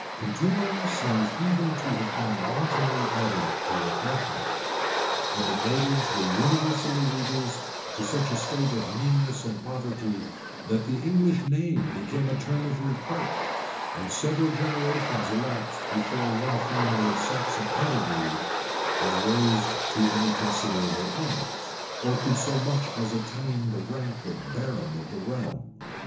Contumely seems even co have been wantonly added to oppression;[*] and the natives were universally reduced to such a state of meanness and poverty, that the English, name became a term of reproach; and several generations elapsed before one family of Saxon pedigree was raised to any considerable honors, or could so much as attain the rank of baron of the realm.